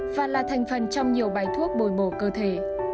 và là thành phần trong nhiều bài thuốc bồi mồ cơ thể